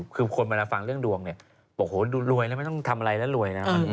คือคนเวลาฟังเรื่องดวงเนี่ยโอ้โหดูรวยแล้วไม่ต้องทำอะไรแล้วรวยนะวันนี้